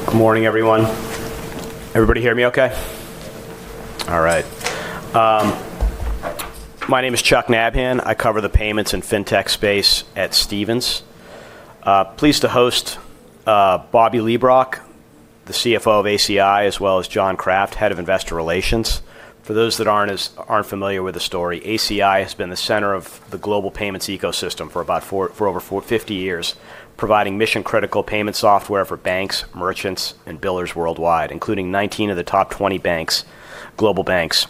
Good morning, everyone. Everybody hear me okay? All right. My name is Chuck Nabhan. I cover the payments and fintech space at Stephens. Pleased to host Bobby Leibrock, the CFO of ACI, as well as John Kraft, Head of Investor Relations. For those that aren't familiar with the story, ACI has been the center of the global payments ecosystem for over 50 years, providing mission-critical payment software for banks, merchants, and billers worldwide, including 19 of the top 20 global banks.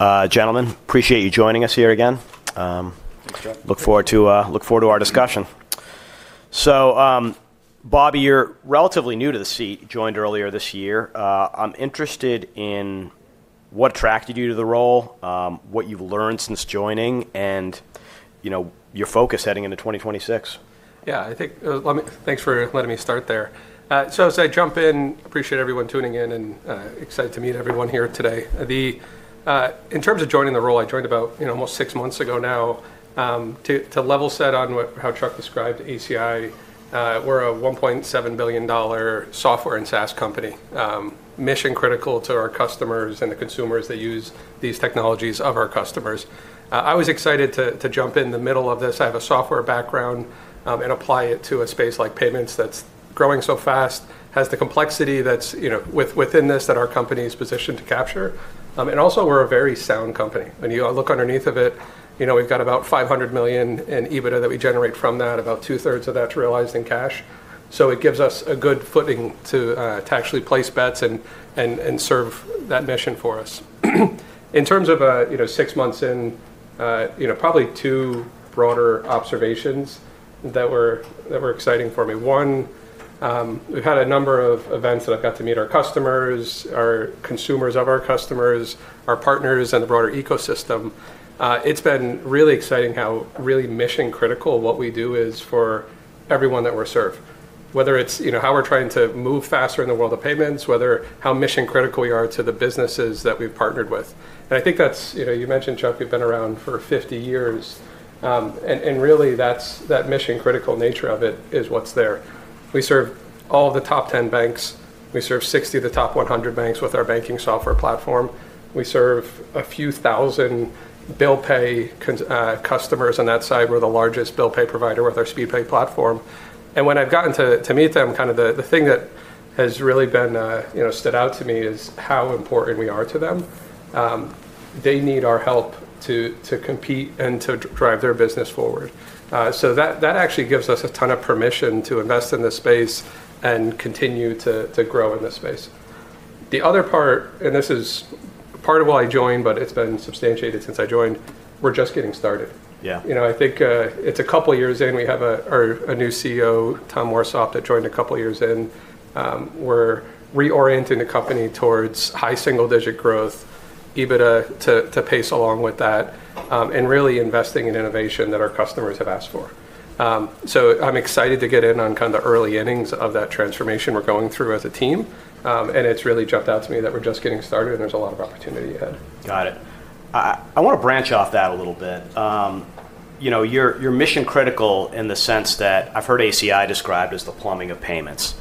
Gentlemen, appreciate you joining us here again. Thanks, Chuck. Look forward to our discussion. Bobby, you're relatively new to the seat, joined earlier this year. I'm interested in what attracted you to the role, what you've learned since joining, and your focus heading into 2026. Yeah, thanks for letting me start there. As I jump in, appreciate everyone tuning in, and excited to meet everyone here today. In terms of joining the role, I joined about almost six months ago now. To level set on how Chuck described ACI, we're a $1.7 billion software and SaaS company, mission-critical to our customers and the consumers that use these technologies of our customers. I was excited to jump in the middle of this. I have a software background and apply it to a space like payments that's growing so fast, has the complexity that's within this that our company is positioned to capture. Also, we're a very sound company. When you look underneath of it, we've got about $500 million in EBITDA that we generate from that, about two-thirds of that's realized in cash. It gives us a good footing to actually place bets and serve that mission for us. In terms of six months in, probably two broader observations that were exciting for me. One, we've had a number of events that I've got to meet our customers, our consumers of our customers, our partners, and the broader ecosystem. It's been really exciting how really mission-critical what we do is for everyone that we serve, whether it's how we're trying to move faster in the world of payments, whether how mission-critical we are to the businesses that we've partnered with. I think that's you mentioned, Chuck, you've been around for 50 years. Really, that mission-critical nature of it is what's there. We serve all the top 10 banks. We serve 60 of the top 100 banks with our banking software platform. We serve a few thousand bill pay customers on that side. We are the largest bill pay provider with our Speedpay platform. When I have gotten to meet them, kind of the thing that has really stood out to me is how important we are to them. They need our help to compete and to drive their business forward. That actually gives us a ton of permission to invest in this space and continue to grow in this space. The other part, and this is part of why I joined, but it has been substantiated since I joined, we are just getting started. Yeah. I think it's a couple of years in. We have a new CEO, Tom Warsop, that joined a couple of years in. We're reorienting the company towards high single-digit growth, EBITDA to pace along with that, and really investing in innovation that our customers have asked for. I'm excited to get in on kind of the early innings of that transformation we're going through as a team. It really jumped out to me that we're just getting started and there's a lot of opportunity ahead. Got it. I want to branch off that a little bit. You're mission-critical in the sense that I've heard ACI described as the plumbing of payments.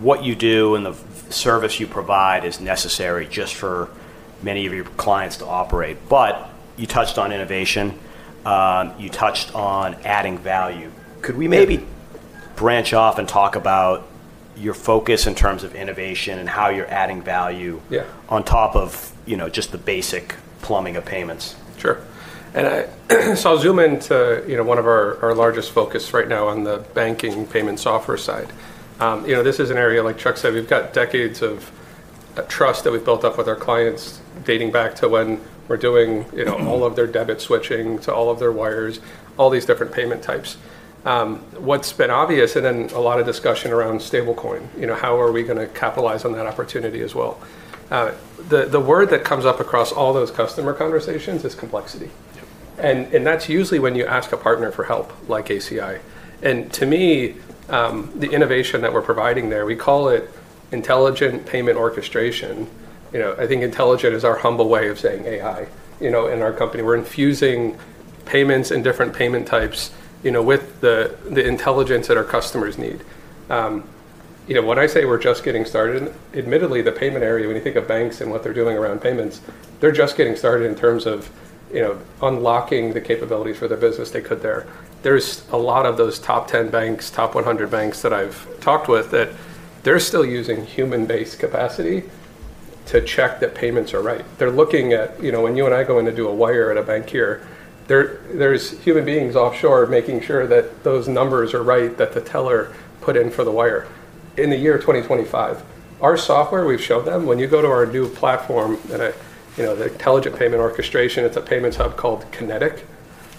What you do and the service you provide is necessary just for many of your clients to operate. You touched on innovation. You touched on adding value. Could we maybe branch off and talk about your focus in terms of innovation and how you're adding value on top of just the basic plumbing of payments? Sure. I'll zoom into one of our largest focuses right now on the banking payment software side. This is an area, like Chuck said, we've got decades of trust that we've built up with our clients dating back to when we're doing all of their debit switching to all of their wires, all these different payment types. What's been obvious, and then a lot of discussion around stablecoin, how are we going to capitalize on that opportunity as well? The word that comes up across all those customer conversations is complexity. That's usually when you ask a partner for help like ACI. To me, the innovation that we're providing there, we call it intelligent payment orchestration. I think intelligent is our humble way of saying AI. In our company, we're infusing payments and different payment types with the intelligence that our customers need. When I say we're just getting started, admittedly, the payment area, when you think of banks and what they're doing around payments, they're just getting started in terms of unlocking the capabilities for their business they could there. There's a lot of those top 10 banks, top 100 banks that I've talked with that they're still using human-based capacity to check that payments are right. They're looking at when you and I go in to do a wire at a bank here, there's human beings offshore making sure that those numbers are right that the teller put in for the wire. In the year 2025, our software, we've showed them, when you go to our new platform, the intelligent payment orchestration, it's a payments hub called Connetic.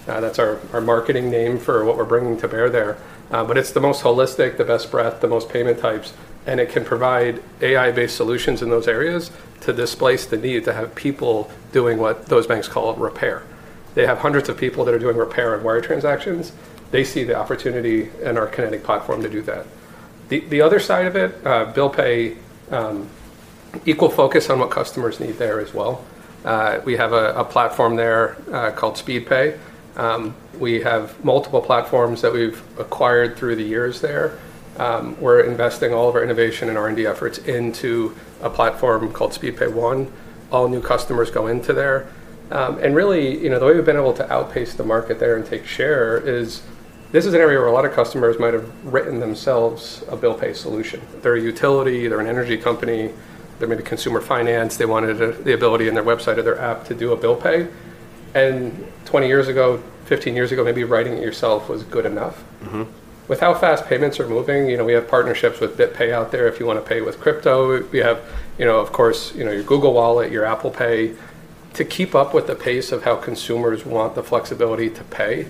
That's our marketing name for what we're bringing to bear there. It is the most holistic, the best breadth, the most payment types. It can provide AI-based solutions in those areas to displace the need to have people doing what those banks call repair. They have hundreds of people that are doing repair and wire transactions. They see the opportunity in our Connetic platform to do that. The other side of it, bill pay, equal focus on what customers need there as well. We have a platform there called Speedpay. We have multiple platforms that we've acquired through the years there. We're investing all of our innovation and R&D efforts into a platform called Speedpay One. All new customers go into there. Really, the way we've been able to outpace the market there and take share is this is an area where a lot of customers might have written themselves a bill pay solution. They're a utility, they're an energy company, they're maybe consumer finance, they wanted the ability in their website or their app to do a bill pay. Twenty years ago, fifteen years ago, maybe writing it yourself was good enough. With how fast payments are moving, we have partnerships with BitPay out there if you want to pay with crypto. We have, of course, your Google Wallet, your Apple Pay. To keep up with the pace of how consumers want the flexibility to pay,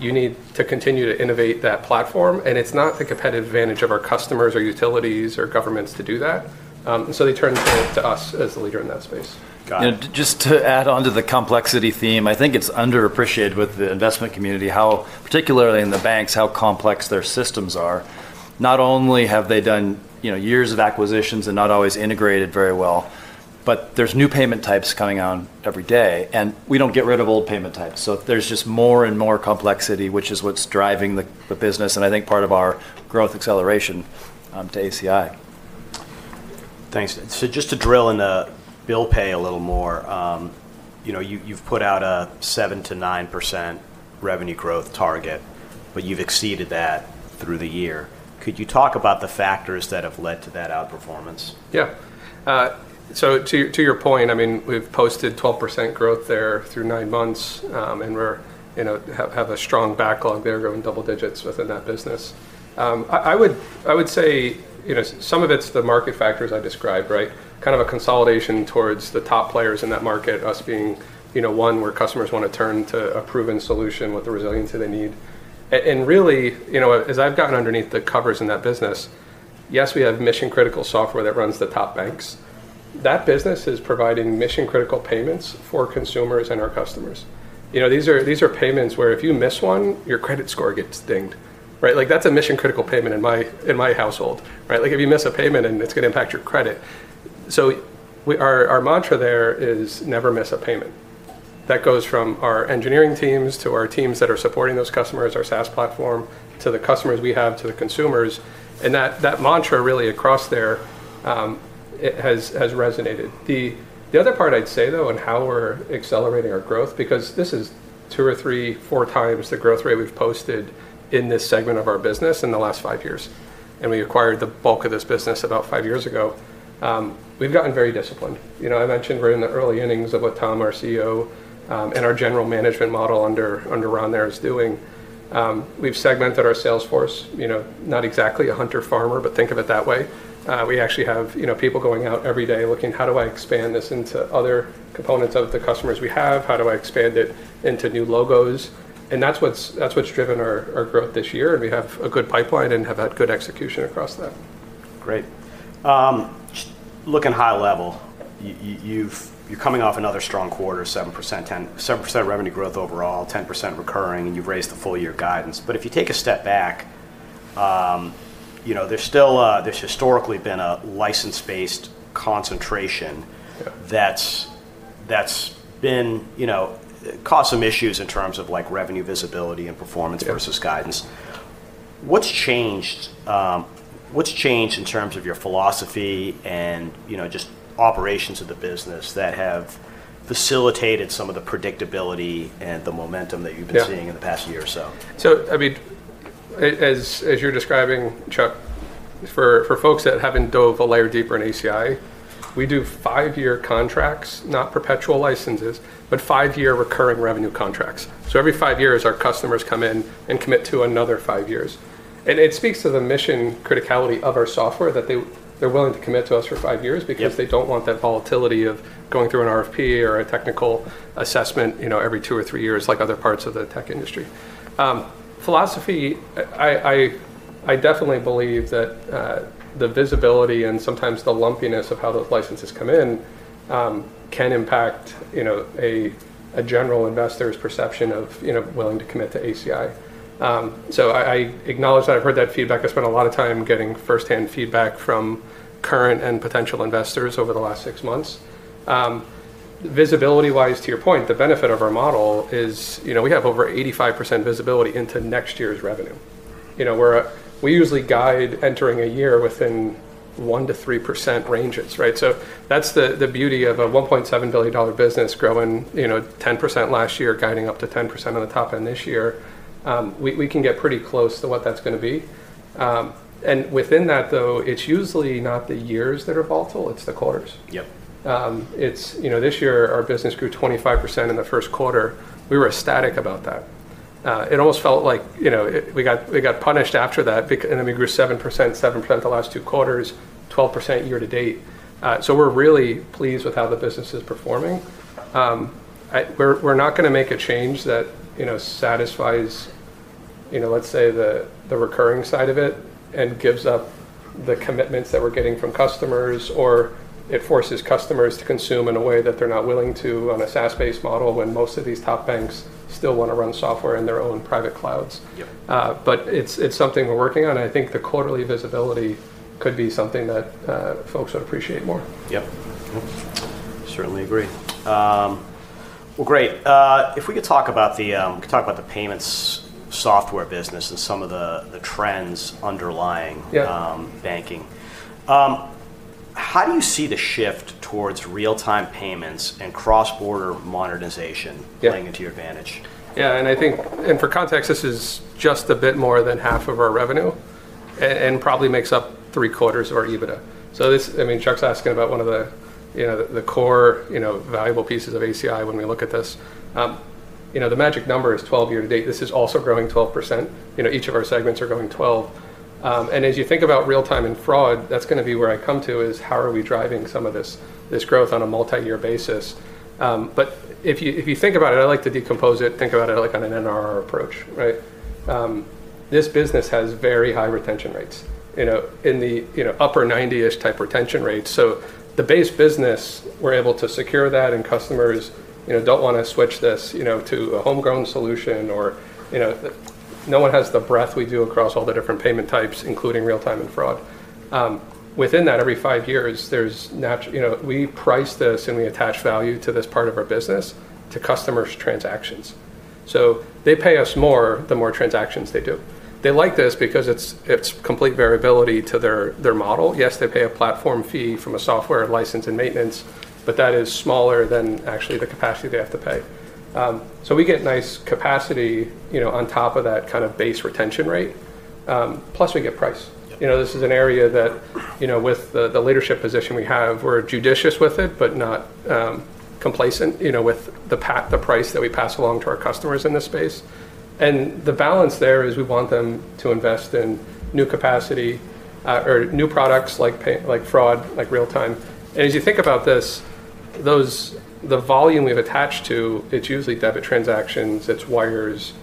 you need to continue to innovate that platform. It is not the competitive advantage of our customers or utilities or governments to do that. They turn to us as the leader in that space. Got it. Just to add on to the complexity theme, I think it's underappreciated with the investment community, particularly in the banks, how complex their systems are. Not only have they done years of acquisitions and not always integrated very well, but there's new payment types coming on every day. We don't get rid of old payment types. There is just more and more complexity, which is what's driving the business and I think part of our growth acceleration to ACI. Thanks. Just to drill into bill pay a little more, you've put out a 7%-9% revenue growth target, but you've exceeded that through the year. Could you talk about the factors that have led to that outperformance? Yeah. To your point, I mean, we've posted 12% growth there through nine months, and we have a strong backlog there going double digits within that business. I would say some of it is the market factors I described, right? Kind of a consolidation towards the top players in that market, us being one where customers want to turn to a proven solution with the resiliency they need. Really, as I've gotten underneath the covers in that business, yes, we have mission-critical software that runs the top banks. That business is providing mission-critical payments for consumers and our customers. These are payments where if you miss one, your credit score gets dinged. That's a mission-critical payment in my household. If you miss a payment, it's going to impact your credit. Our mantra there is never miss a payment. That goes from our engineering teams to our teams that are supporting those customers, our SaaS platform, to the customers we have, to the consumers. That mantra really across there has resonated. The other part I'd say, though, on how we're accelerating our growth, because this is two or three, four times the growth rate we've posted in this segment of our business in the last five years. We acquired the bulk of this business about five years ago. We've gotten very disciplined. I mentioned we're in the early innings of what Tom, our CEO, and our general management model under Ron there is doing. We've segmented our sales force, not exactly a hunter farmer, but think of it that way. We actually have people going out every day looking, how do I expand this into other components of the customers we have? How do I expand it into new logos? That is what has driven our growth this year. We have a good pipeline and have had good execution across that. Great. Looking high level, you're coming off another strong quarter, 7% revenue growth overall, 10% recurring, and you've raised the full-year guidance. If you take a step back, there's historically been a license-based concentration that's caused some issues in terms of revenue visibility and performance versus guidance. What's changed in terms of your philosophy and just operations of the business that have facilitated some of the predictability and the momentum that you've been seeing in the past year or so? I mean, as you're describing, Chuck, for folks that haven't dove a layer deeper in ACI, we do five-year contracts, not perpetual licenses, but five-year recurring revenue contracts. Every five years, our customers come in and commit to another five years. It speaks to the mission criticality of our software that they're willing to commit to us for five years because they don't want that volatility of going through an RFP or a technical assessment every two or three years, like other parts of the tech industry. Philosophy, I definitely believe that the visibility and sometimes the lumpiness of how those licenses come in can impact a general investor's perception of willing to commit to ACI. I acknowledge that I've heard that feedback. I spent a lot of time getting firsthand feedback from current and potential investors over the last six months. Visibility-wise, to your point, the benefit of our model is we have over 85% visibility into next year's revenue. We usually guide entering a year within 1%-3% ranges, right? That's the beauty of a $1.7 billion business growing 10% last year, guiding up to 10% on the top end this year. We can get pretty close to what that's going to be. Within that, though, it's usually not the years that are volatile. It's the quarters. Yep. This year, our business grew 25% in the first quarter. We were ecstatic about that. It almost felt like we got punished after that. We grew 7%, 7% the last two quarters, 12% year-to-date. We are really pleased with how the business is performing. We are not going to make a change that satisfies, let's say, the recurring side of it and gives up the commitments that we are getting from customers, or it forces customers to consume in a way that they are not willing to on a SaaS-based model when most of these top banks still want to run software in their own private clouds. It is something we are working on. I think the quarterly visibility could be something that folks would appreciate more. Yep. Certainly agree. Great. If we could talk about the payments software business and some of the trends underlying banking, how do you see the shift towards real-time payments and cross-border modernization playing into your advantage? Yeah. I think, and for context, this is just a bit more than half of our revenue and probably makes up three quarters of our EBITDA. I mean, Chuck's asking about one of the core valuable pieces of ACI when we look at this. The magic number is 12 year to date. This is also growing 12%. Each of our segments are growing 12%. As you think about real-time and fraud, that's going to be where I come to is how are we driving some of this growth on a multi-year basis. If you think about it, I like to decompose it, think about it like on an NRR approach, right? This business has very high retention rates, in the upper 90-ish type retention rates. The base business, we're able to secure that, and customers don't want to switch this to a homegrown solution, or no one has the breadth we do across all the different payment types, including real-time and fraud. Within that, every five years, we price this and we attach value to this part of our business to customers' transactions. They pay us more the more transactions they do. They like this because it's complete variability to their model. Yes, they pay a platform fee from a software license and maintenance, but that is smaller than actually the capacity they have to pay. We get nice capacity on top of that kind of base retention rate. Plus, we get price. This is an area that, with the leadership position we have, we're judicious with it, but not complacent with the price that we pass along to our customers in this space. The balance there is we want them to invest in new capacity or new products like fraud, like real-time. As you think about this, the volume we've attached to, it's usually debit transactions, it's wires.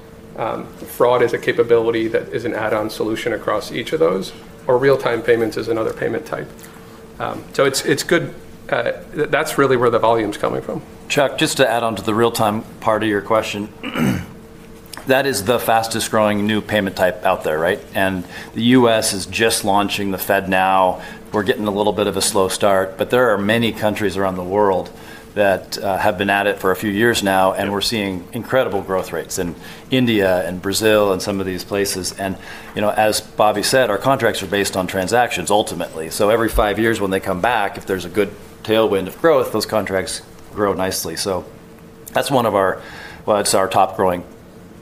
Fraud is a capability that is an add-on solution across each of those, or real-time payments is another payment type. That's really where the volume's coming from. Chuck, just to add on to the real-time part of your question, that is the fastest growing new payment type out there, right? The U.S. is just launching the FedNow. We're getting a little bit of a slow start, but there are many countries around the world that have been at it for a few years now, and we're seeing incredible growth rates in India and Brazil and some of these places. As Bobby said, our contracts are based on transactions ultimately. Every five years when they come back, if there's a good tailwind of growth, those contracts grow nicely. That's one of our, well, it's our top growing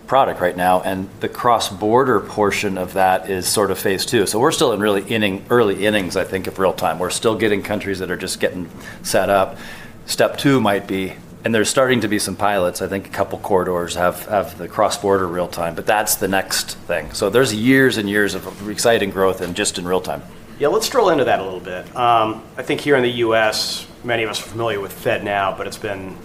product right now. The cross-border portion of that is sort of phase two. We're still in really early innings, I think, of real-time. We're still getting countries that are just getting set up. Step two might be, and there's starting to be some pilots. I think a couple corridors have the cross-border real-time, but that's the next thing. There are years and years of exciting growth and just in real-time. Yeah, let's drill into that a little bit. I think here in the U.S., many of us are familiar with FedNow, but it's been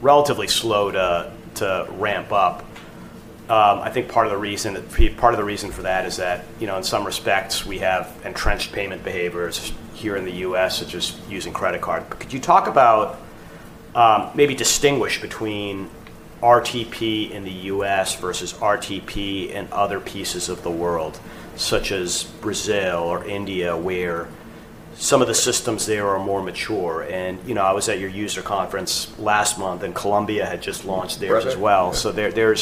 relatively slow to ramp up. I think part of the reason for that is that in some respects, we have entrenched payment behaviors here in the U.S., such as using credit card. Could you talk about maybe distinguish between RTP in the U.S. versus RTP in other pieces of the world, such as Brazil or India, where some of the systems there are more mature? I was at your user conference last month, and Colombia had just launched theirs as well. There are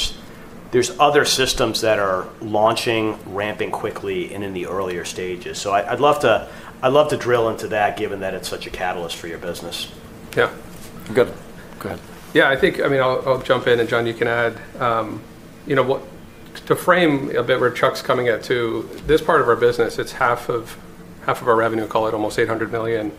other systems that are launching, ramping quickly, and in the earlier stages. I'd love to drill into that, given that it's such a catalyst for your business. Yeah. Good. Go ahead. Yeah, I think, I mean, I'll jump in, and John, you can add. To frame a bit where Chuck's coming at too, this part of our business, it's half of our revenue, call it almost $800 million.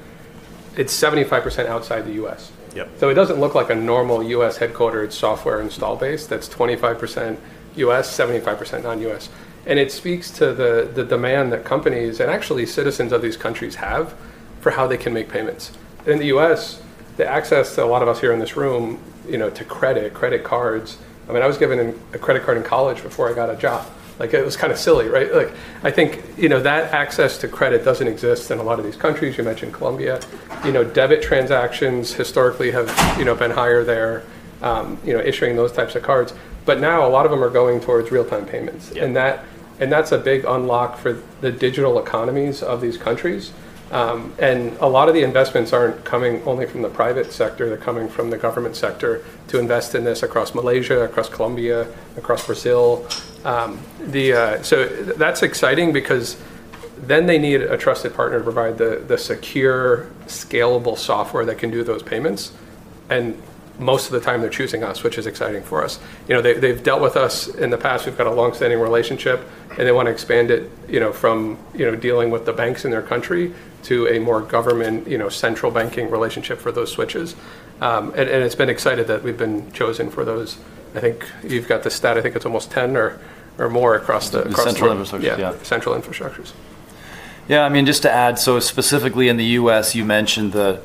It's 75% outside the U.S. It does not look like a normal U.S.-headquartered software install base. That's 25% U.S., 75% non-U.S. It speaks to the demand that companies and actually citizens of these countries have for how they can make payments. In the U.S., the access to a lot of us here in this room to credit, credit cards, I mean, I was given a credit card in college before I got a job. It was kind of silly, right? I think that access to credit does not exist in a lot of these countries. You mentioned Colombia. Debit transactions historically have been higher there, issuing those types of cards. Now a lot of them are going towards real-time payments. That is a big unlock for the digital economies of these countries. A lot of the investments are not coming only from the private sector. They are coming from the government sector to invest in this across Malaysia, across Colombia, across Brazil. That is exciting because then they need a trusted partner to provide the secure, scalable software that can do those payments. Most of the time, they are choosing us, which is exciting for us. They have dealt with us in the past. We have got a long-standing relationship, and they want to expand it from dealing with the banks in their country to a more government central banking relationship for those switches. It has been exciting that we have been chosen for those. I think you have got the stat. I think it's almost 10 or more across the. Central infrastructures, yeah. Yeah, central infrastructures. Yeah. I mean, just to add, specifically in the U.S., you mentioned the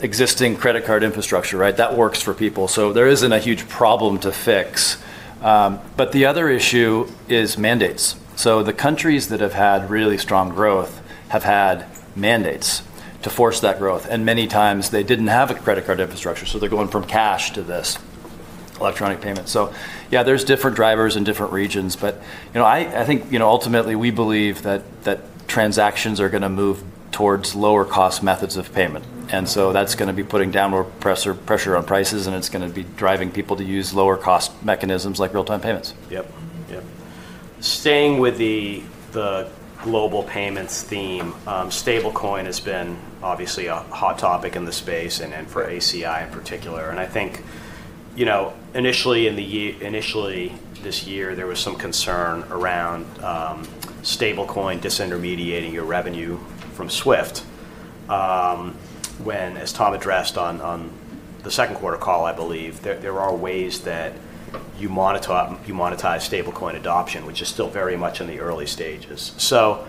existing credit card infrastructure, right? That works for people. There isn't a huge problem to fix. The other issue is mandates. The countries that have had really strong growth have had mandates to force that growth. Many times, they didn't have a credit card infrastructure. They're going from cash to this electronic payment. There are different drivers in different regions. I think ultimately, we believe that transactions are going to move towards lower-cost methods of payment. That's going to be putting downward pressure on prices, and it's going to be driving people to use lower-cost mechanisms like real-time payments. Yep. Yep. Staying with the global payments theme, stablecoin has been obviously a hot topic in the space and for ACI in particular. I think initially this year, there was some concern around stablecoin disintermediating your revenue from SWIFT, when, as Tom addressed on the second quarter call, I believe, there are ways that you monetize stablecoin adoption, which is still very much in the early stages. It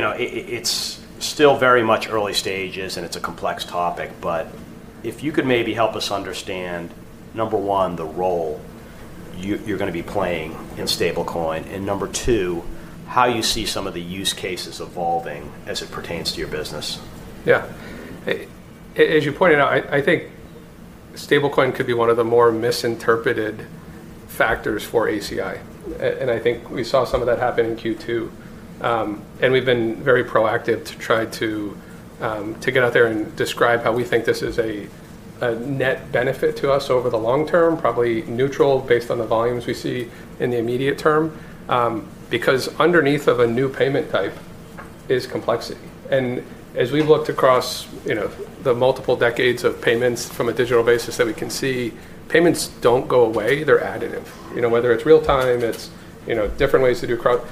is still very much early stages, and it is a complex topic. If you could maybe help us understand, number one, the role you are going to be playing in stablecoin, and number two, how you see some of the use cases evolving as it pertains to your business. Yeah. As you pointed out, I think stablecoin could be one of the more misinterpreted factors for ACI. I think we saw some of that happen in Q2. We have been very proactive to try to get out there and describe how we think this is a net benefit to us over the long term, probably neutral based on the volumes we see in the immediate term, because underneath of a new payment type is complexity. As we have looked across the multiple decades of payments from a digital basis that we can see, payments do not go away. They are additive. Whether it is real-time, it is different ways to do crowd.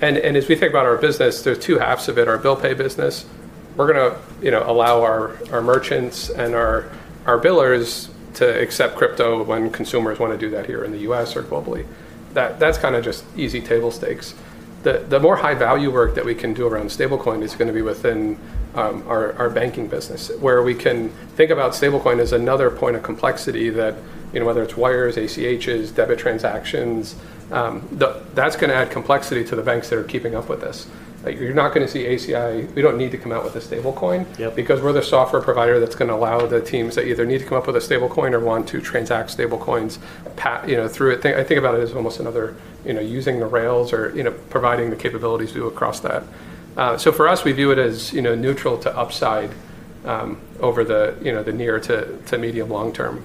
As we think about our business, there are two halves of it, our bill pay business. We are going to allow our merchants and our billers to accept crypto when consumers want to do that here in the U.S. or globally. That's kind of just easy table stakes. The more high-value work that we can do around stablecoin is going to be within our banking business, where we can think about stablecoin as another point of complexity that, whether it's wires, ACH, debit transactions, that's going to add complexity to the banks that are keeping up with this. You're not going to see ACI, we don't need to come out with a stablecoin because we're the software provider that's going to allow the teams that either need to come up with a stablecoin or want to transact stablecoins through it. I think about it as almost another using the rails or providing the capabilities to do across that. For us, we view it as neutral to upside over the near to medium long term.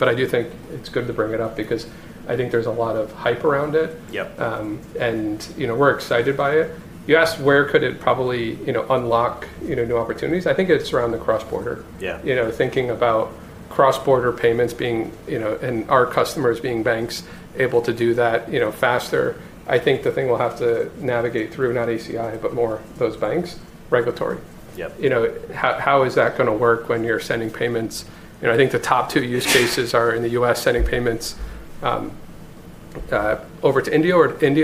I do think it's good to bring it up because I think there's a lot of hype around it, and we're excited by it. You asked where could it probably unlock new opportunities. I think it's around the cross-border. Thinking about cross-border payments being and our customers being banks able to do that faster. I think the thing we'll have to navigate through, not ACI, but more those banks, regulatory. How is that going to work when you're sending payments? I think the top two use cases are in the U.S., sending payments over to India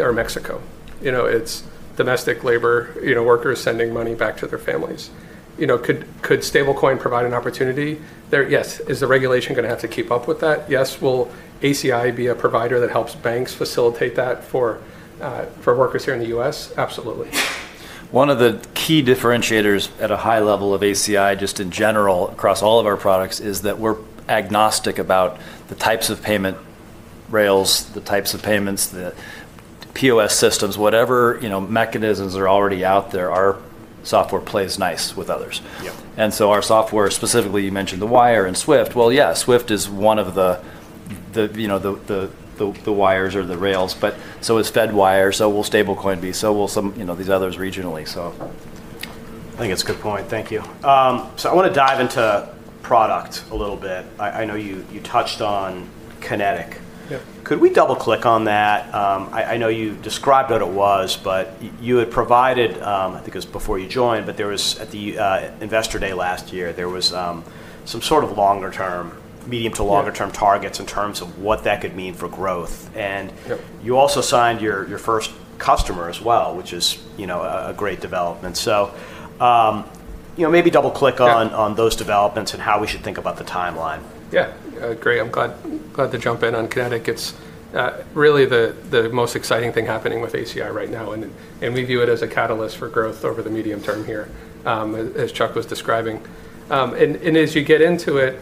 or Mexico. It's domestic labor, workers sending money back to their families. Could stablecoin provide an opportunity? Yes. Is the regulation going to have to keep up with that? Yes. Will ACI be a provider that helps banks facilitate that for workers here in the U.S.? Absolutely. One of the key differentiators at a high level of ACI, just in general, across all of our products, is that we're agnostic about the types of payment rails, the types of payments, the POS systems, whatever mechanisms are already out there, our software plays nice with others. Our software, specifically, you mentioned the wire and SWIFT. SWIFT is one of the wires or the rails. Fedwire is as well. Stablecoin will be as well. Some of these others regionally, too. I think it's a good point. Thank you. I want to dive into product a little bit. I know you touched on Connetic. Could we double-click on that? I know you described what it was, but you had provided, I think it was before you joined, but at the investor day last year, there was some sort of longer-term, medium to longer-term targets in terms of what that could mean for growth. You also signed your first customer as well, which is a great development. Maybe double-click on those developments and how we should think about the timeline. Yeah. Great. I'm glad to jump in on Connetic. It's really the most exciting thing happening with ACI right now, and we view it as a catalyst for growth over the medium term here, as Chuck was describing. As you get into it,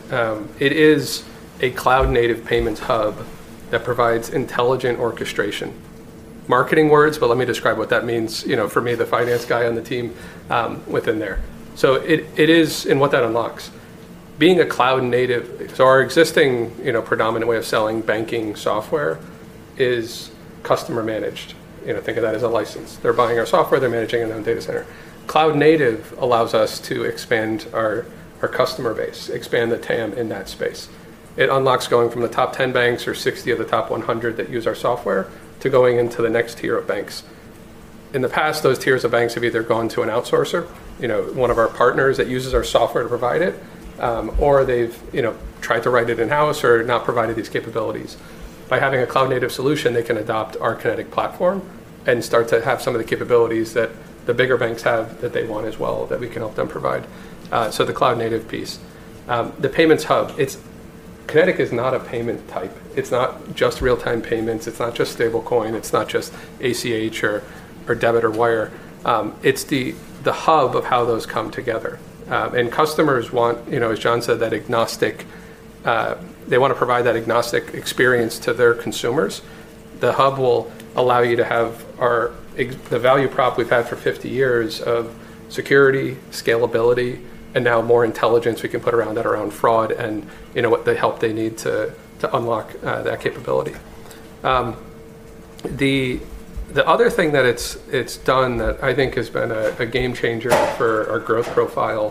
it is a cloud-native payments hub that provides intelligent orchestration. Marketing words, but let me describe what that means for me, the finance guy on the team within there. It is in what that unlocks. Being a cloud-native, our existing predominant way of selling banking software is customer-managed. Think of that as a license. They're buying our software. They're managing it in their own data center. Cloud-native allows us to expand our customer base, expand the TAM in that space. It unlocks going from the top 10 banks or 60 of the top 100 that use our software to going into the next tier of banks. In the past, those tiers of banks have either gone to an outsourcer, one of our partners that uses our software to provide it, or they've tried to write it in-house or not provided these capabilities. By having a cloud-native solution, they can adopt our Connetic platform and start to have some of the capabilities that the bigger banks have that they want as well that we can help them provide. The cloud-native piece. The payments hub, Connetic is not a payment type. It's not just real-time payments. It's not just stablecoin. It's not just ACH or debit or wire. It's the hub of how those come together. Customers want, as John said, that agnostic—they want to provide that agnostic experience to their consumers. The hub will allow you to have the value prop we've had for 50 years of security, scalability, and now more intelligence we can put around that, around fraud and what the help they need to unlock that capability. The other thing that it's done that I think has been a game changer for our growth profile,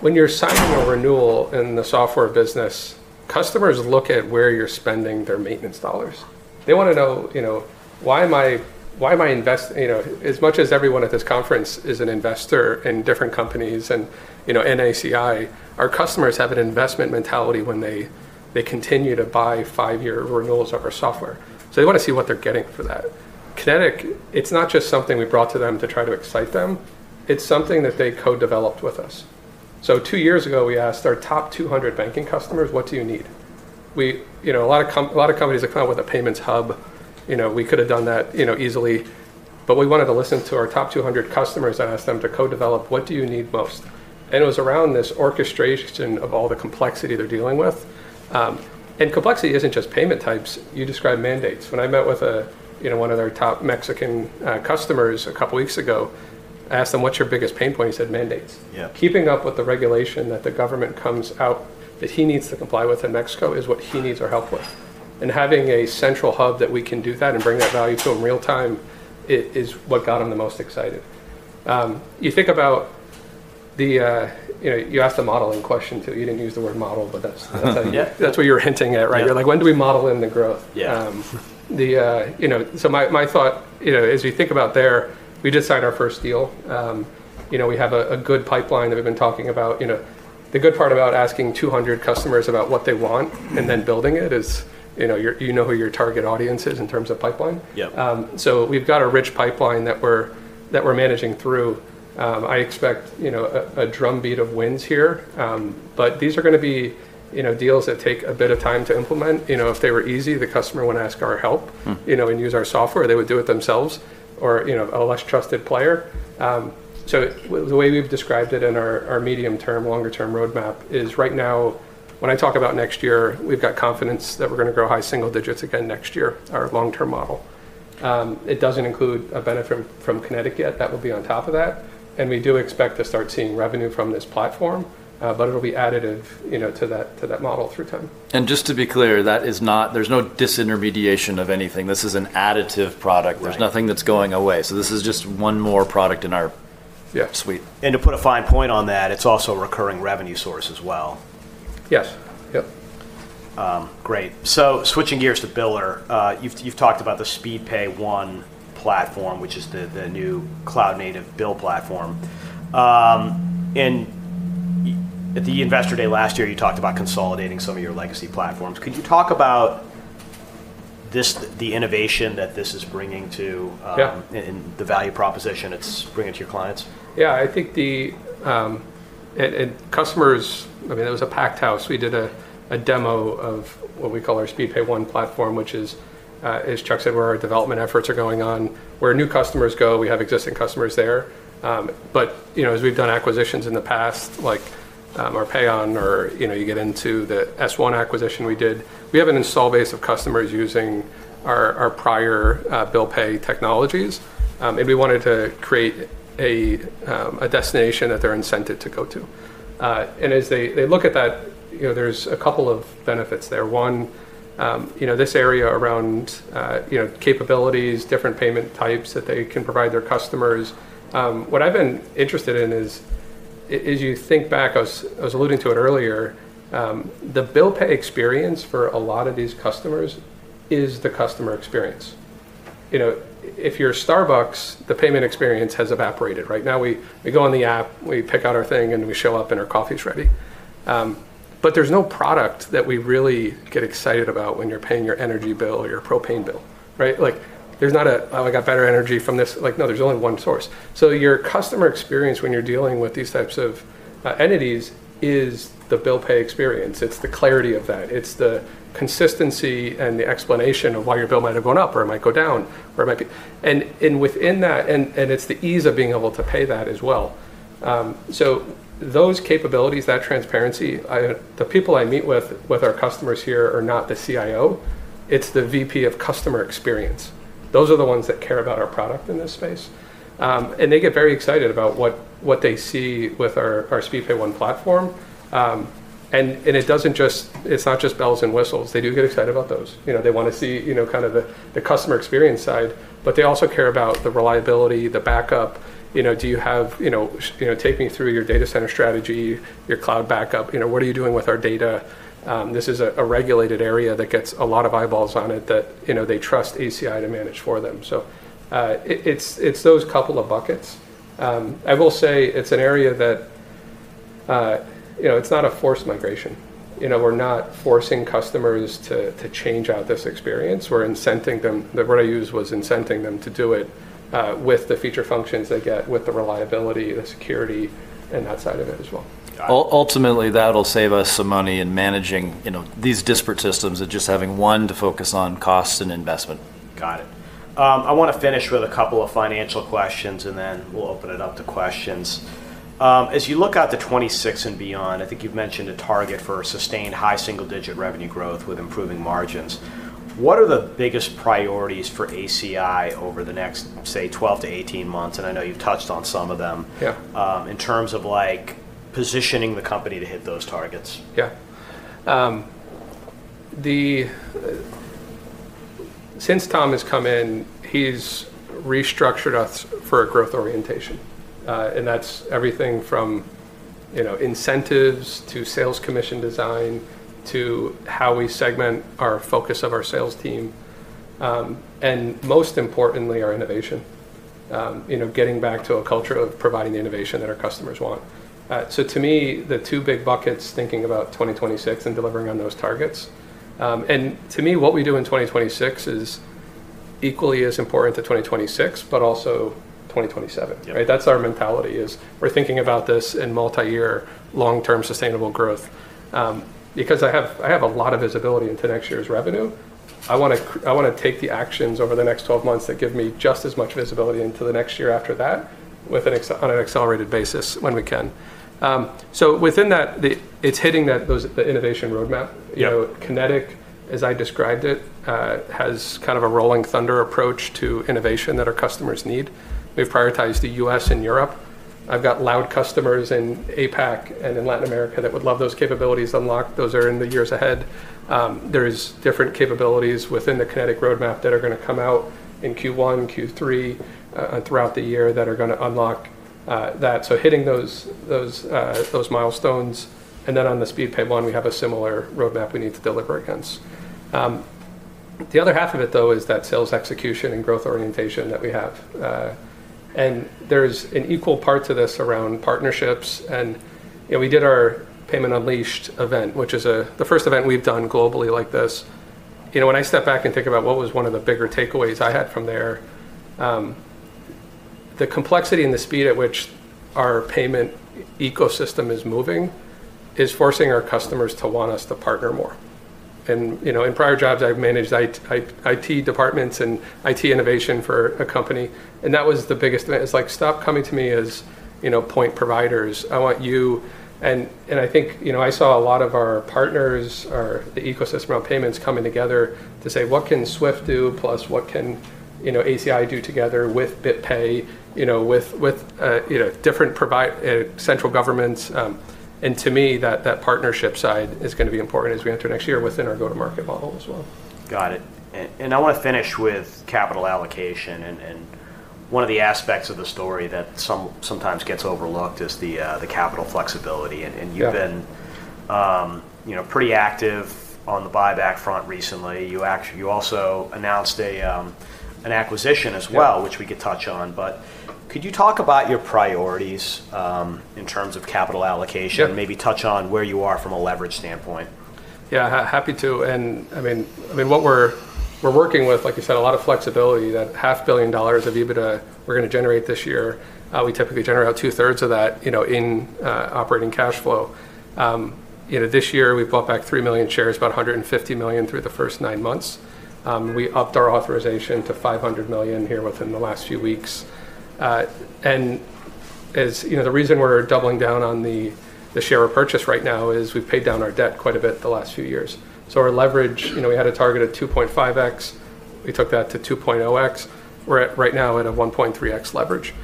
when you're signing a renewal in the software business, customers look at where you're spending their maintenance dollars. They want to know, why am I investing? As much as everyone at this conference is an investor in different companies and ACI, our customers have an investment mentality when they continue to buy five-year renewals of our software. They want to see what they're getting for that. Connetic, it's not just something we brought to them to try to excite them. It's something that they co-developed with us. Two years ago, we asked our top 200 banking customers, what do you need? A lot of companies have come up with a payments hub. We could have done that easily. We wanted to listen to our top 200 customers and ask them to co-develop, what do you need most? It was around this orchestration of all the complexity they're dealing with. Complexity isn't just payment types. You described mandates. When I met with one of their top Mexican customers a couple of weeks ago, I asked them, what's your biggest pain point? He said, mandates. Keeping up with the regulation that the government comes out that he needs to comply with in Mexico is what he needs our help with. Having a central hub that we can do that and bring that value to him real-time is what got him the most excited. You think about the you asked the modeling question too. You did not use the word model, but that is what you are hinting at, right? You are like, when do we model in the growth? My thought, as we think about there, we just signed our first deal. We have a good pipeline that we have been talking about. The good part about asking 200 customers about what they want and then building it is you know who your target audience is in terms of pipeline. We have got a rich pipeline that we are managing through. I expect a drumbeat of wins here, but these are going to be deals that take a bit of time to implement. If they were easy, the customer would not ask our help and use our software. They would do it themselves or a less trusted player. The way we have described it in our medium-term, longer-term roadmap is right now, when I talk about next year, we have got confidence that we are going to grow high single digits again next year, our long-term model. It does not include a benefit from Connetic yet. That will be on top of that. We do expect to start seeing revenue from this platform, but it will be additive to that model through time. Just to be clear, there's no disintermediation of anything. This is an additive product. There's nothing that's going away. This is just one more product in our suite. To put a fine point on that, it's also a recurring revenue source as well. Yes. Yep. Great. Switching gears to biller, you've talked about the Speedpay One platform, which is the new cloud-native bill platform. At the investor day last year, you talked about consolidating some of your legacy platforms. Could you talk about the innovation that this is bringing to the value proposition it's bringing to your clients? Yeah. I think the customers, I mean, it was a packed house. We did a demo of what we call our Speedpay One platform, which is, as Chuck said, where our development efforts are going on. Where new customers go, we have existing customers there. As we've done acquisitions in the past, like our PAY.ON, or you get into the S1 acquisition we did, we have an install base of customers using our prior bill pay technologies. We wanted to create a destination that they're incented to go to. As they look at that, there's a couple of benefits there. One, this area around capabilities, different payment types that they can provide their customers. What I've been interested in is, as you think back, I was alluding to it earlier, the bill pay experience for a lot of these customers is the customer experience. If you're Starbucks, the payment experience has evaporated, right? Now we go on the app, we pick out our thing, and we show up, and our coffee's ready. There's no product that we really get excited about when you're paying your energy bill or your propane bill, right? There's not a, "Oh, I got better energy from this." No, there's only one source. Your customer experience when you're dealing with these types of entities is the bill pay experience. It's the clarity of that. It's the consistency and the explanation of why your bill might have gone up or it might go down or it might be. Within that, it's the ease of being able to pay that as well. Those capabilities, that transparency, the people I meet with, with our customers here are not the CIO. It's the VP of customer experience. Those are the ones that care about our product in this space. They get very excited about what they see with our Speedpay One platform. It is not just bells and whistles. They do get excited about those. They want to see kind of the customer experience side, but they also care about the reliability, the backup. Do you have, take me through your data center strategy, your cloud backup? What are you doing with our data? This is a regulated area that gets a lot of eyeballs on it that they trust ACI to manage for them. It is those couple of buckets. I will say it is an area that is not a forced migration. We are not forcing customers to change out this experience. We are incenting them. The word I used was incenting them to do it with the feature functions they get with the reliability, the security, and that side of it as well. Got it. Ultimately, that'll save us some money in managing these disparate systems and just having one to focus on cost and investment. Got it. I want to finish with a couple of financial questions, and then we'll open it up to questions. As you look at the 2026 and beyond, I think you've mentioned a target for sustained high single-digit revenue growth with improving margins. What are the biggest priorities for ACI over the next, say, 12 to 18 months? I know you've touched on some of them in terms of positioning the company to hit those targets. Yeah. Since Tom has come in, he's restructured us for a growth orientation. That's everything from incentives to sales commission design to how we segment our focus of our sales team. Most importantly, our innovation, getting back to a culture of providing the innovation that our customers want. To me, the two big buckets, thinking about 2026 and delivering on those targets. To me, what we do in 2026 is equally as important to 2026, but also 2027, right? That's our mentality, we're thinking about this in multi-year, long-term sustainable growth. I have a lot of visibility into next year's revenue, I want to take the actions over the next 12 months that give me just as much visibility into the next year after that on an accelerated basis when we can. Within that, it's hitting the innovation roadmap. Connetic, as I described it, has kind of a rolling thunder approach to innovation that our customers need. We've prioritized the U.S. and Europe. I've got loud customers in APAC and in Latin America that would love those capabilities unlocked. Those are in the years ahead. There are different capabilities within the Connetic roadmap that are going to come out in Q1, Q3, and throughout the year that are going to unlock that. Hitting those milestones. On the Speedpay One, we have a similar roadmap we need to deliver against. The other half of it, though, is that sales execution and growth orientation that we have. There's an equal part to this around partnerships. We did our Payments Unleashed event, which is the first event we've done globally like this. When I step back and think about what was one of the bigger takeaways I had from there, the complexity and the speed at which our payment ecosystem is moving is forcing our customers to want us to partner more. In prior jobs, I have managed IT departments and IT innovation for a company. That was the biggest thing. It is like, stop coming to me as point providers. I want you. I think I saw a lot of our partners, the ecosystem around payments coming together to say, what can SWIFT do plus what can ACI do together with BitPay, with different central governments? To me, that partnership side is going to be important as we enter next year within our go-to-market model as well. Got it. I want to finish with capital allocation. One of the aspects of the story that sometimes gets overlooked is the capital flexibility. You have been pretty active on the buyback front recently. You also announced an acquisition as well, which we could touch on. Could you talk about your priorities in terms of capital allocation and maybe touch on where you are from a leverage standpoint? Yeah. Happy to. I mean, what we're working with, like you said, a lot of flexibility, that $500 million of EBITDA we're going to generate this year. We typically generate about two-thirds of that in operating cash flow. This year, we bought back 3 million shares, about $150 million through the first nine months. We upped our authorization to $500 million here within the last few weeks. The reason we're doubling down on the share repurchase right now is we've paid down our debt quite a bit the last few years. Our leverage, we had a target of 2.5x. We took that to 2.0x. We're right now at a 1.3x leverage.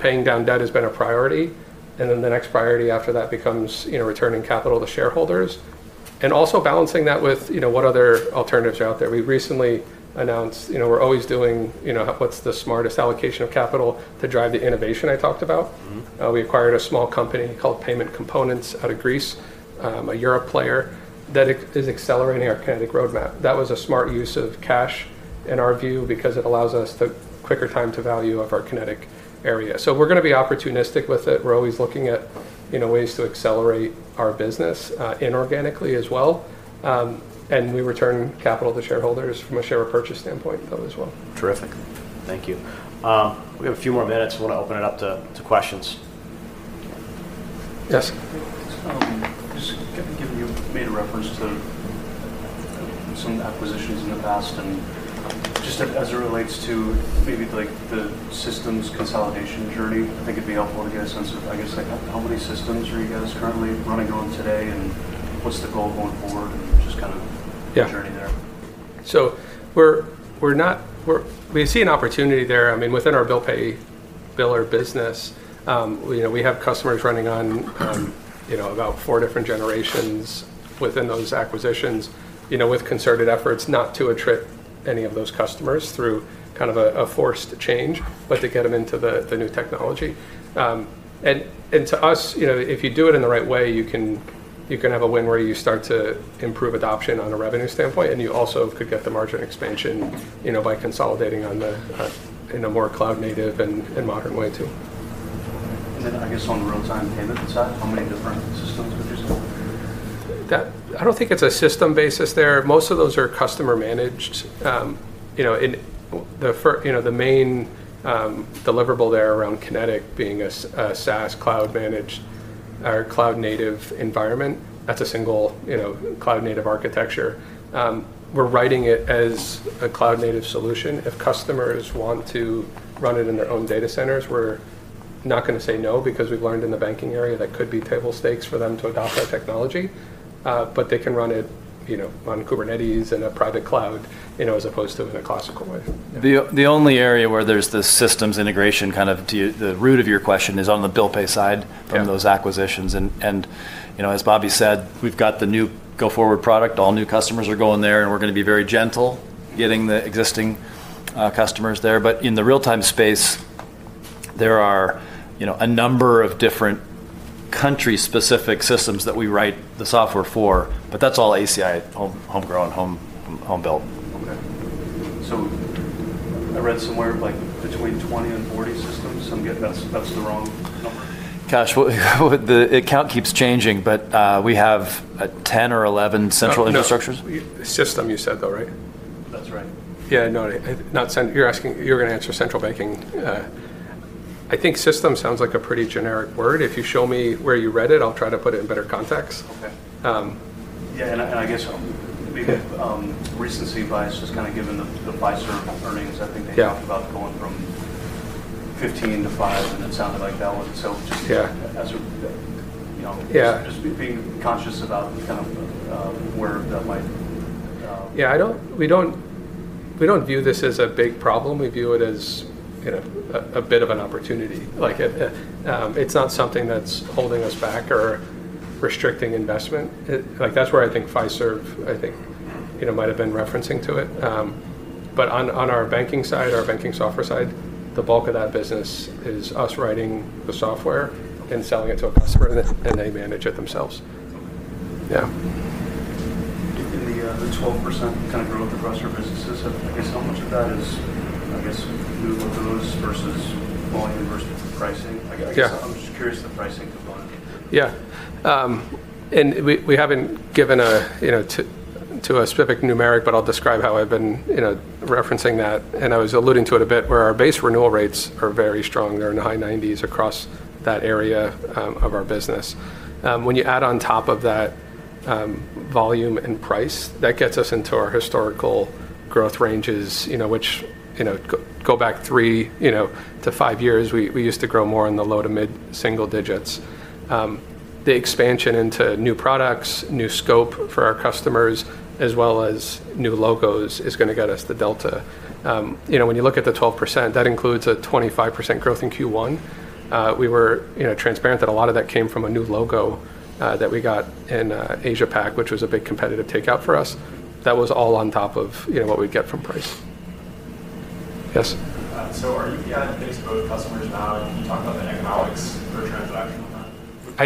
Paying down debt has been a priority. The next priority after that becomes returning capital to shareholders and also balancing that with what other alternatives are out there. We recently announced we're always doing what's the smartest allocation of capital to drive the innovation I talked about. We acquired a small company called Payment Components out of Greece, a Europe player that is accelerating our Connetic roadmap. That was a smart use of cash in our view because it allows us the quicker time to value of our Connetic area. We are going to be opportunistic with it. We are always looking at ways to accelerate our business inorganically as well. We return capital to shareholders from a share repurchase standpoint, though, as well. Terrific. Thank you. We have a few more minutes. I want to open it up to questions. Yes. Just given you made a reference to some acquisitions in the past and just as it relates to maybe the systems consolidation journey, I think it'd be helpful to get a sense of, I guess, how many systems are you guys currently running on today and what's the goal going forward and just kind of the journey there? We see an opportunity there. I mean, within our bill pay biller business, we have customers running on about four different generations within those acquisitions with concerted efforts not to attrit any of those customers through kind of a forced change, but to get them into the new technology. To us, if you do it in the right way, you can have a win where you start to improve adoption on a revenue standpoint, and you also could get the margin expansion by consolidating in a more cloud-native and modern way too. I guess, on the real-time payment side, how many different systems would you say? I don't think it's a system basis there. Most of those are customer-managed. The main deliverable there around Connetic being a SaaS cloud-managed or cloud-native environment, that's a single cloud-native architecture. We're writing it as a cloud-native solution. If customers want to run it in their own data centers, we're not going to say no because we've learned in the banking area that could be table stakes for them to adopt our technology, but they can run it on Kubernetes and a private cloud as opposed to in a classical way. The only area where there's this systems integration, kind of to the root of your question, is on the bill pay side from those acquisitions. As Bobby said, we've got the new Go Forward product. All new customers are going there, and we're going to be very gentle getting the existing customers there. In the real-time space, there are a number of different country-specific systems that we write the software for, but that's all ACI homegrown, homebuilt. Okay. I read somewhere between 20 and 40 systems. That's the wrong number? Gosh, the account keeps changing, but we have 10 or 11 central infrastructures. System, you said, though, right? That's right. Yeah. No, you're going to answer central banking. I think system sounds like a pretty generic word. If you show me where you read it, I'll try to put it in better context. Okay. Yeah. I guess because recent CFI has just kind of given the Pfizer earnings, I think they talked about going from 15 to 5, and it sounded like that was so just being conscious about kind of where that might. Yeah. We do not view this as a big problem. We view it as a bit of an opportunity. It is not something that is holding us back or restricting investment. That is where I think Pfizer, I think, might have been referencing to it. On our banking side, our banking software side, the bulk of that business is us writing the software and selling it to a customer, and they manage it themselves. Yeah. In the 12% kind of growth across your businesses, I guess how much of that is, I guess, new logos versus all universal pricing? I'm just curious the pricing component. Yeah. We have not given a specific numeric, but I'll describe how I've been referencing that. I was alluding to it a bit where our base renewal rates are very strong. They're in the high 90% across that area of our business. When you add on top of that volume and price, that gets us into our historical growth ranges, which go back three to five years. We used to grow more in the low to mid single digits. The expansion into new products, new scope for our customers, as well as new logos, is going to get us the delta. When you look at the 12%, that includes a 25% growth in Q1. We were transparent that a lot of that came from a new logo that we got in Asia-Pac, which was a big competitive takeout for us. That was all on top of what we'd get from price. Yes. Are UPI and PIX both customers now? Can you talk about the economics for transactional now? I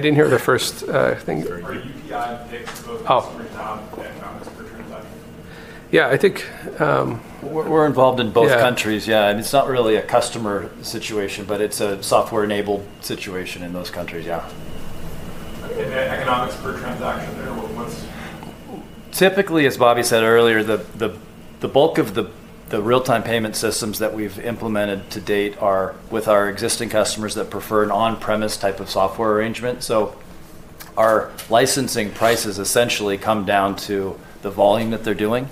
didn't hear the first thing. Are UPI and PIX both customers now? Economics for transaction? Yeah. I think. We're involved in both countries. Yeah. It's not really a customer situation, but it's a software-enabled situation in those countries. Yeah. The economics for transaction there, what's? Typically, as Bobby said earlier, the bulk of the real-time payment systems that we've implemented to date are with our existing customers that prefer an on-premise type of software arrangement. Our licensing prices essentially come down to the volume that they're doing.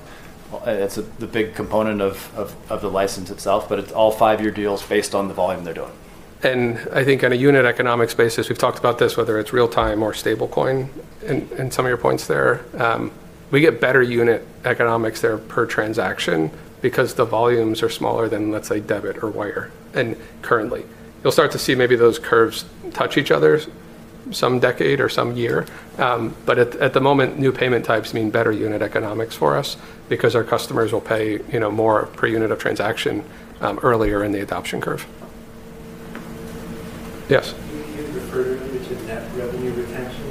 It's the big component of the license itself, but it's all five-year deals based on the volume they're doing. I think on a unit economics basis, we've talked about this, whether it's real-time or stablecoin and some of your points there. We get better unit economics there per transaction because the volumes are smaller than, let's say, debit or wire currently. You'll start to see maybe those curves touch each other some decade or some year. At the moment, new payment types mean better unit economics for us because our customers will pay more per unit of transaction earlier in the adoption curve. Yes. Can you refer to net revenue retention?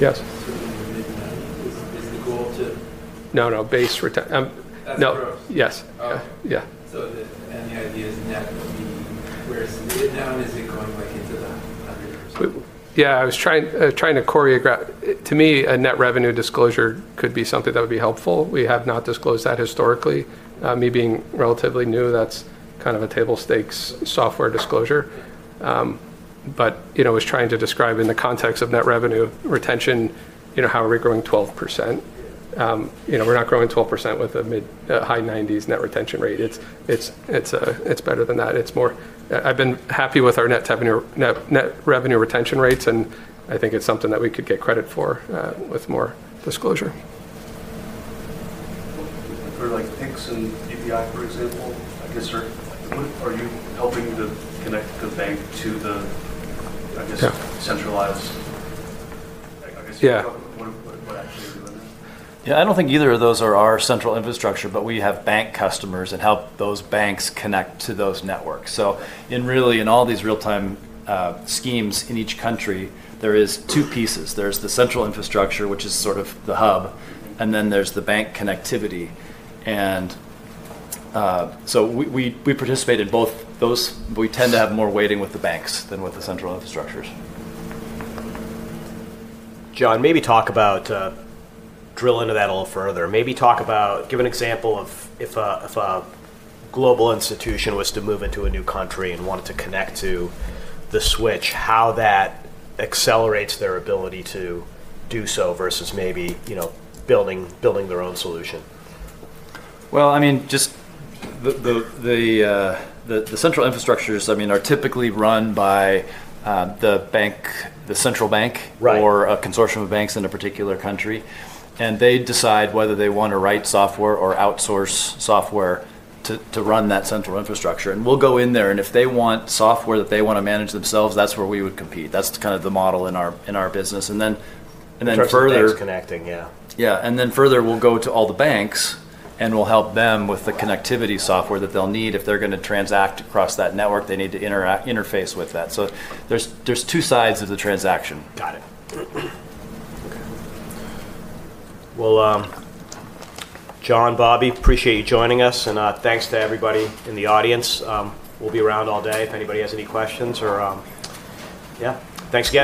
Yes. Certainly in the mid-90s. Is the goal to? No, no. Base. That's gross. Yes. Yeah. Then the idea is net will be where it's laid down, is it going back into the 100%? Yeah. I was trying to choreograph. To me, a net revenue disclosure could be something that would be helpful. We have not disclosed that historically. Me being relatively new, that's kind of a table stakes software disclosure. I was trying to describe in the context of net revenue retention, how are we growing 12%? We're not growing 12% with a high 90s net retention rate. It's better than that. I've been happy with our net revenue retention rates, and I think it's something that we could get credit for with more disclosure. For PIX and EPI, for example, I guess, are you helping to connect the bank to the, I guess, centralized? I guess what actually you're doing there? Yeah. I do not think either of those are our central infrastructure, but we have bank customers and help those banks connect to those networks. Really, in all these real-time schemes in each country, there are two pieces. There is the central infrastructure, which is sort of the hub, and then there is the bank connectivity. We participate in both those, but we tend to have more weighting with the banks than with the central infrastructures. John, maybe drill into that a little further. Maybe give an example of if a global institution was to move into a new country and wanted to connect to the switch, how that accelerates their ability to do so versus maybe building their own solution. I mean, just the central infrastructures are typically run by the central bank or a consortium of banks in a particular country. They decide whether they want to write software or outsource software to run that central infrastructure. We go in there. If they want software that they want to manage themselves, that's where we would compete. That's kind of the model in our business. Further. Transfer-based connecting, yeah. Yeah. Further, we'll go to all the banks and we'll help them with the connectivity software that they'll need. If they're going to transact across that network, they need to interface with that. There are two sides of the transaction. Got it. Okay. John, Bobby, appreciate you joining us. Thanks to everybody in the audience. We'll be around all day if anybody has any questions or yeah. Thanks, guys.